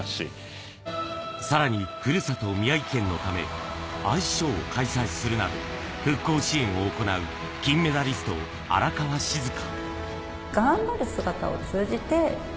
さらに、ふるさと・宮城県のためアイスショーを開催するなど復興支援を行う金メダリスト・荒川静香。